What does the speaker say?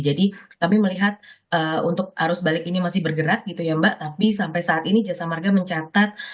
jadi kami melihat untuk arus balik ini masih bergerak tapi sampai saat ini jasa marga mencatat